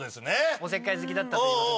おせっかい好きだったという事で。